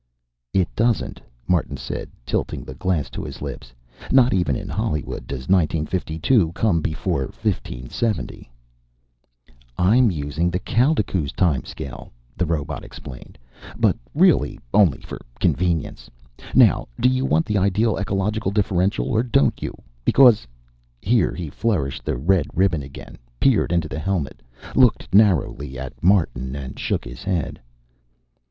"It doesn't," Martin said, tilting the glass to his lips. "Not even in Hollywood does nineteen fifty two come before fifteen seventy." "I'm using the Kaldekooz time scale," the robot explained. "But really only for convenience. Now do you want the ideal ecological differential or don't you? Because " Here he flourished the red ribbon again, peered into the helmet, looked narrowly at Martin, and shook his head.